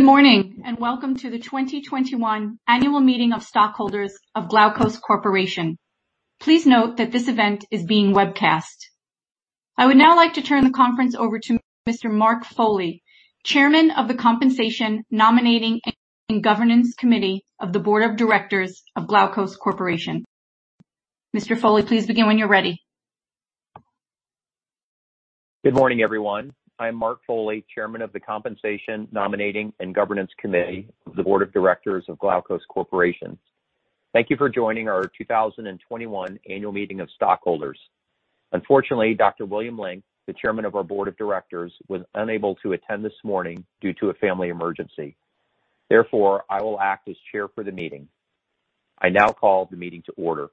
Good morning, and welcome to the 2021 Annual Meeting of Stockholders of Glaukos Corporation. Please note that this event is being webcast. I would now like to turn the conference over to Mr. Mark Foley, Chairman of the Compensation, Nominating, and Governance Committee of the Board of Directors of Glaukos Corporation. Mr. Foley, please begin when you're ready. Good morning, everyone. I'm Mark Foley, Chairman of the Compensation, Nominating, and Governance Committee of the Board of Directors of Glaukos Corporation. Thank you for joining our 2021 annual meeting of stockholders. Unfortunately, Dr. William Link, the Chairman of our Board of Directors, was unable to attend this morning due to a family emergency. Therefore, I will act as chair for the meeting. I now call the meeting to order.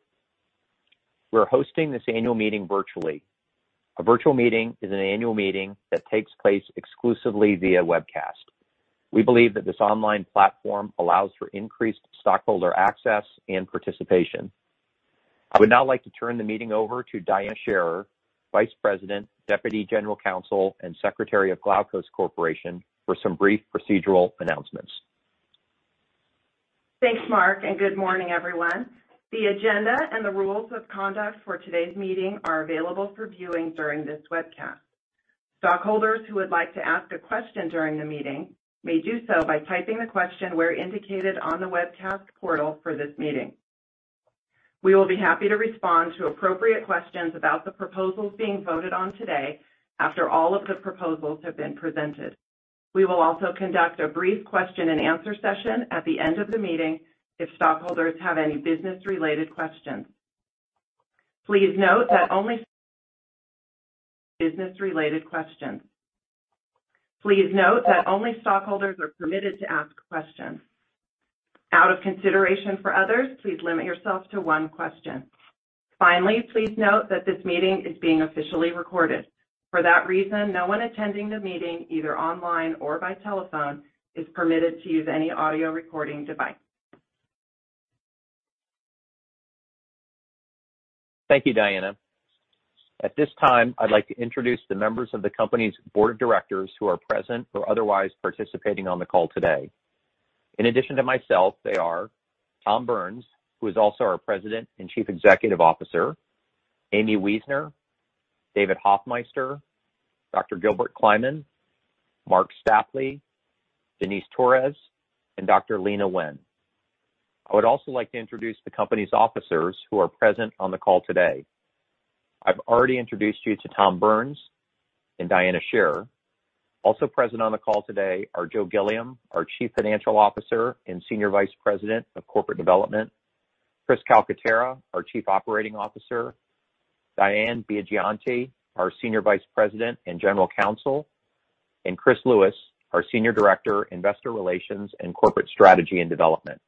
We're hosting this annual meeting virtually. A virtual meeting is an annual meeting that takes place exclusively via webcast. We believe that this online platform allows for increased stockholder access and participation. I would now like to turn the meeting over to Diana Scherer, Vice President, Deputy General Counsel, and Secretary of Glaukos Corporation, for some brief procedural announcements. Thanks, Mark. Good morning, everyone. The agenda and the rules of conduct for today's meeting are available for viewing during this webcast. Stockholders who would like to ask a question during the meeting may do so by typing a question where indicated on the webcast portal for this meeting. We will be happy to respond to appropriate questions about the proposals being voted on today after all of the proposals have been presented. We will also conduct a brief question-and-answer session at the end of the meeting if stockholders have any business-related questions. Please note that only stockholders are permitted to ask questions. Out of consideration for others, please limit yourself to one question. Finally, please note that this meeting is being officially recorded. For that reason, no one attending the meeting, either online or by telephone, is permitted to use any audio recording device. Thank you, Diana. At this time, I'd like to introduce the members of the company's board of directors who are present or otherwise participating on the call today. In addition to myself, they are Tom Burns, who is also our President and Chief Executive Officer, Aimee Weisner, David Hoffmeister, Dr. Gilbert Kliman, Marc Stapley, Denice Torres, and Dr. Leana Wen. I would also like to introduce the company's officers who are present on the call today. I've already introduced you to Tom Burns and Diana Scherer. Also present on the call today are Joe Gilliam, our Chief Financial Officer and Senior Vice President of Corporate Development, Chris Calcaterra, our Chief Operating Officer, Diane Biagianti, our Senior Vice President and General Counsel, and Chris Lewis, our Senior Director, Investor Relations and Corporate Strategy and Development.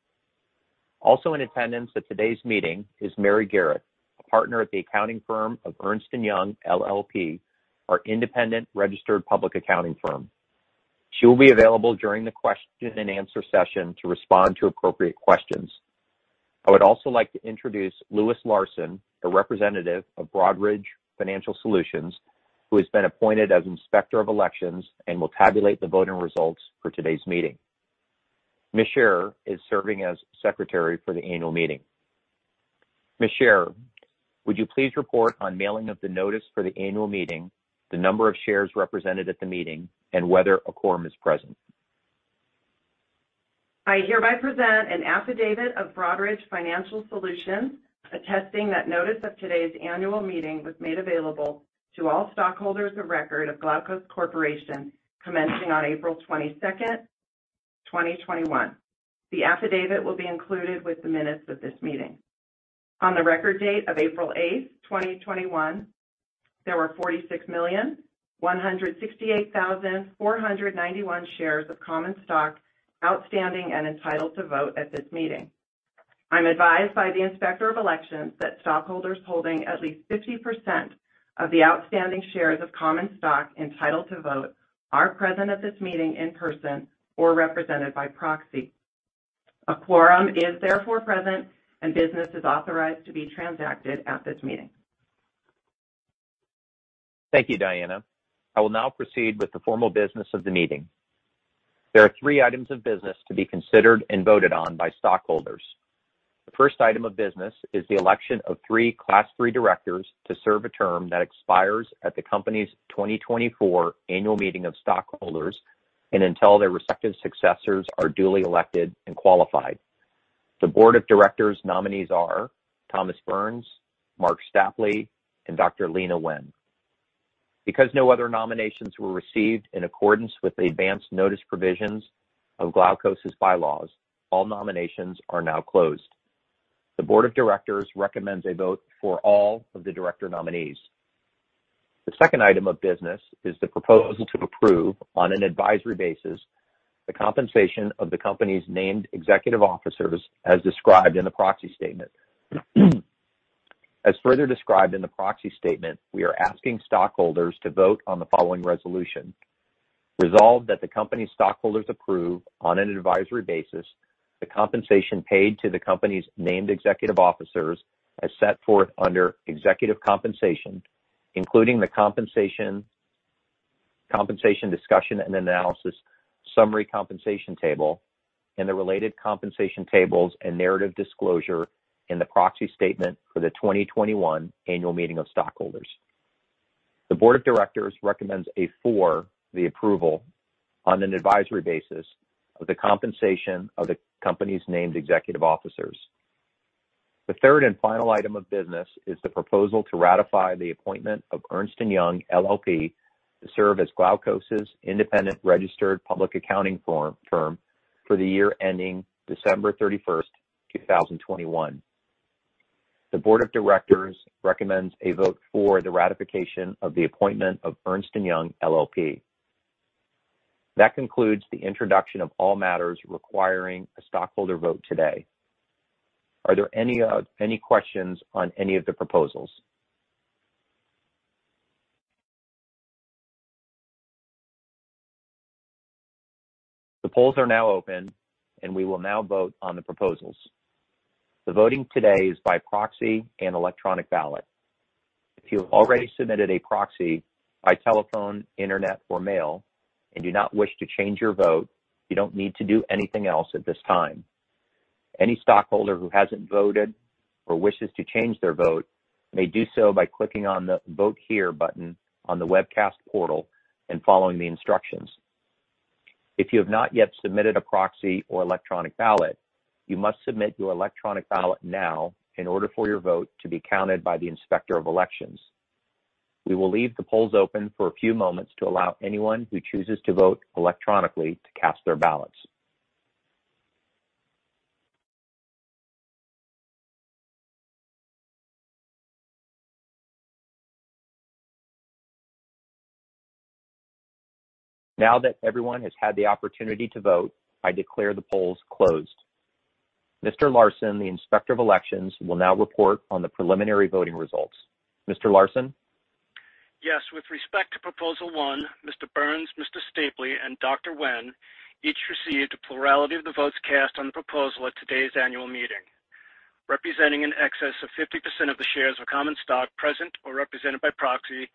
Also in attendance at today's meeting is Mary Garrett, a partner at the accounting firm of Ernst & Young LLP, our independent registered public accounting firm. She will be available during the question-and-answer session to respond to appropriate questions. I would also like to introduce Louis Larsen, a representative of Broadridge Financial Solutions, who has been appointed as Inspector of Elections and will tabulate the voting results for today's meeting. Ms. Scherer is serving as Secretary for the annual meeting. Ms. Scherer, would you please report on mailing of the notice for the annual meeting, the number of shares represented at the meeting, and whether a quorum is present? I hereby present an affidavit of Broadridge Financial Solutions, attesting that notice of today's annual meeting was made available to all stockholders of record of Glaukos Corporation commencing on April 22nd, 2021. The affidavit will be included with the minutes of this meeting. On the record date of April 8th, 2021, there were 46,168,491 shares of common stock outstanding and entitled to vote at this meeting. I'm advised by the Inspector of Elections that stockholders holding at least 50% of the outstanding shares of common stock entitled to vote are present at this meeting in person or represented by proxy. A quorum is therefore present, and business is authorized to be transacted at this meeting. Thank you, Diana. I will now proceed with the formal business of the meeting. There are three items of business to be considered and voted on by stockholders. The first item of business is the election of three Class III directors to serve a term that expires at the company's 2024 annual meeting of stockholders, and until their respective successors are duly elected and qualified. The board of directors' nominees are Thomas Burns, Marc Stapley, and Dr. Leana Wen. Because no other nominations were received in accordance with the advance notice provisions of Glaukos' bylaws, all nominations are now closed. The board of directors recommends a vote for all of the director nominees. The second item of business is the proposal to approve, on an advisory basis, the compensation of the company's named executive officers as described in the proxy statement. As further described in the proxy statement, we are asking stockholders to vote on the following resolution: resolve that the company's stockholders approve, on an advisory basis, the compensation paid to the company's named executive officers as set forth under executive compensation, including the compensation discussion and analysis summary compensation table, and the related compensation tables and narrative disclosure in the proxy statement for the 2021 annual meeting of stockholders. The board of directors recommends a for the approval on an advisory basis of the compensation of the company's named executive officers. The third and final item of business is the proposal to ratify the appointment of Ernst & Young LLP to serve as Glaukos' independent registered public accounting firm term for the year ending December 31st, 2021. The board of directors recommends a vote for the ratification of the appointment of Ernst & Young LLP. That concludes the introduction of all matters requiring a stockholder vote today. Are there any questions on any of the proposals? The polls are now open. We will now vote on the proposals. The voting today is by proxy and electronic ballot. If you have already submitted a proxy by telephone, internet, or mail and do not wish to change your vote, you don't need to do anything else at this time. Any stockholder who hasn't voted or wishes to change their vote may do so by clicking on the Vote Here button on the webcast portal and following the instructions. If you have not yet submitted a proxy or electronic ballot, you must submit your electronic ballot now in order for your vote to be counted by the Inspector of Elections. We will leave the polls open for a few moments to allow anyone who chooses to vote electronically to cast their ballots. Now that everyone has had the opportunity to vote, I declare the polls closed. Mr. Larsen, the Inspector of Elections, will now report on the preliminary voting results. Mr. Larsen? Yes. With respect to proposal one, Mr. Burns, Mr. Stapley, and Dr. Wen each received a plurality of the votes cast on the proposal at today's annual meeting, representing in excess of 50% of the shares of common stock present or represented by proxy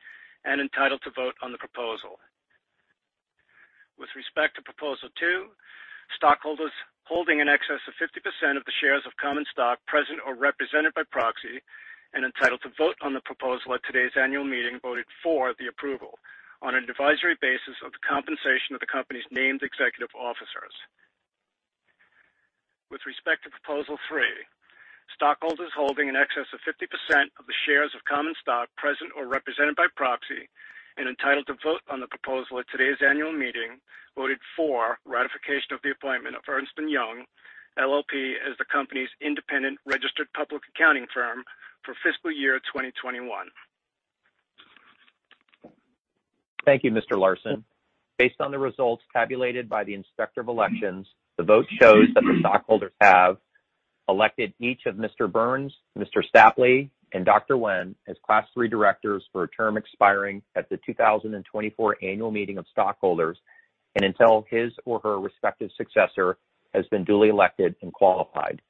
and entitled to vote on the proposal. With respect to proposal two, stockholders holding in excess of 50% of the shares of common stock present or represented by proxy and entitled to vote on the proposal at today's annual meeting voted for the approval on an advisory basis of the compensation of the company's named executive officers. With respect to proposal three, stockholders holding in excess of 50% of the shares of common stock present or represented by proxy and entitled to vote on the proposal at today's annual meeting voted for ratification of the appointment of Ernst & Young LLP as the company's independent registered public accounting firm for fiscal year 2021. Thank you, Mr. Larsen. Based on the results tabulated by the Inspector of Elections, the vote shows that the stockholders have elected each of Mr. Burns, Mr. Stapley, and Dr. Wen as Class III directors for a term expiring at the 2024 annual meeting of stockholders and until his or her respective successor has been duly elected and qualified.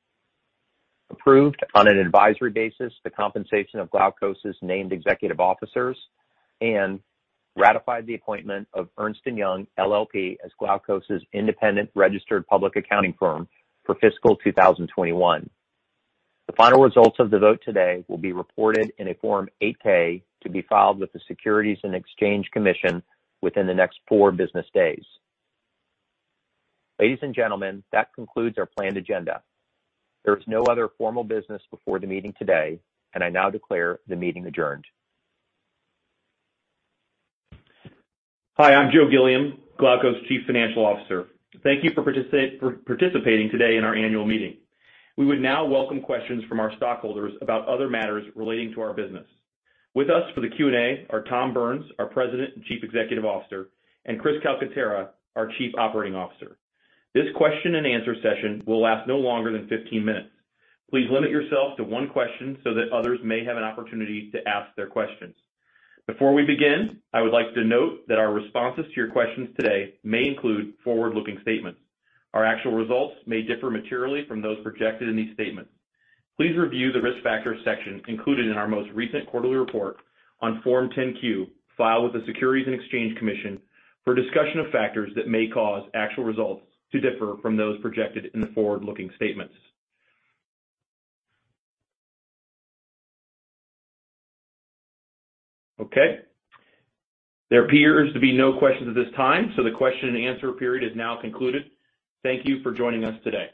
Approved on an advisory basis the compensation of Glaukos' named executive officers and ratified the appointment of Ernst & Young LLP as Glaukos' independent registered public accounting firm for fiscal 2021. The final results of the vote today will be reported in a Form 8-K to be filed with the Securities and Exchange Commission within the next four business days. Ladies and gentlemen, that concludes our planned agenda. There is no other formal business before the meeting today, and I now declare the meeting adjourned. Hi, I'm Joseph Gilliam, Glaukos' Chief Financial Officer. Thank you for participating today in our annual meeting. We would now welcome questions from our stockholders about other matters relating to our business. With us for the Q&A are Thomas Burns, our President and Chief Executive Officer, and Chris Calcaterra, our Chief Operating Officer. This question-and-answer session will last no longer than 15 minutes. Please limit yourself to one question so that others may have an opportunity to ask their questions. Before we begin, I would like to note that our responses to your questions today may include forward-looking statements. Our actual results may differ materially from those projected in these statements. Please review the Risk Factors section included in our most recent quarterly report on Form 10-Q, filed with the Securities and Exchange Commission, for a discussion of factors that may cause actual results to differ from those projected in the forward-looking statements. Okay. There appears to be no questions at this time, so the question-and-answer period is now concluded. Thank you for joining us today.